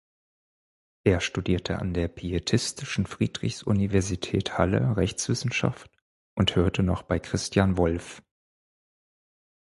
Er studierte an der pietistischen Friedrichs-Universität Halle Rechtswissenschaft und hörte noch bei Christian Wolff.